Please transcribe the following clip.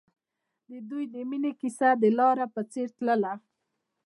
د دوی د مینې کیسه د لاره په څېر تلله.